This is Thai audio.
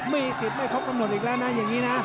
มีสิทธิ์ไม่ครบกำหนดอีกแล้วนะอย่างนี้นะ